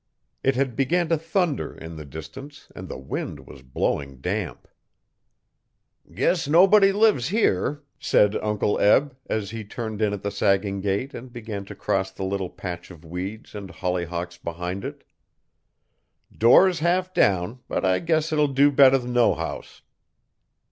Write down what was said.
It had began to thunder in the distance and the wind was blowing damp. 'Guess nobody lives here,' said Uncle Eb as he turned in at the sagging gate and began to cross the little patch of weeds and hollyhocks behind it 'Door's half down, but I guess it'll de better'n no house.